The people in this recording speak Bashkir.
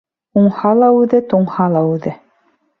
Уңһа ла үҙе, туңһа ла үҙе.